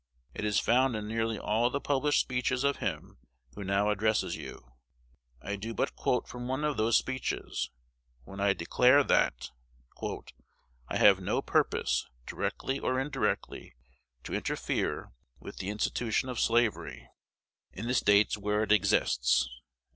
It is found in nearly all the published speeches of him who now addresses you. I do but quote from one of those speeches, when I declare, that "I have no purpose, directly or indirectly, to interfere with the institution of slavery in the States where it exists."